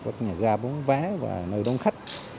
các nhà ga bóng vé và nơi đông khách